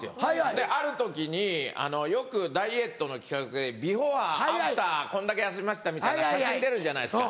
である時によくダイエットの企画でビフォーアフターこんだけ痩せましたみたいな写真出るじゃないですか。